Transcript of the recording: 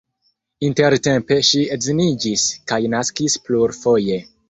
Intertempe ŝi edziniĝis kaj naskis plurfoje.